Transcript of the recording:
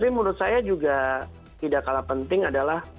tapi menurut saya juga tidak kalah penting adalah